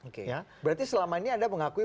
oke ya berarti selama ini anda mengakui